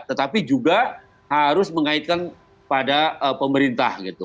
tetapi juga harus mengaitkan pada pemerintah gitu